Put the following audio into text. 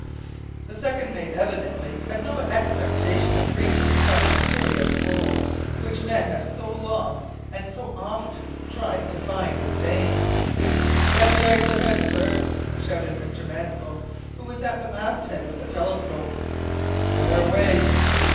The second mate evidently had no expectation of reaching that mysterious pole, which men have so long and so often tried to find, in vain. "Heavy ice ahead, sir," shouted Mr Mansell, who was at the masthead with a telescope. "Where away?"